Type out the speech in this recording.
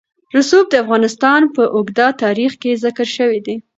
رسوب د افغانستان په اوږده تاریخ کې ذکر شوی دی.